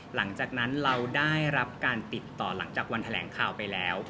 หลังจากนั้นเราได้รับการติดต่อหลังจากวันแถลงข่าวไปแล้ว